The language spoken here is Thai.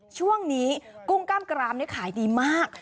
ช่วงนี้กุ้งกล้ามกรามนี่ขายดีมาก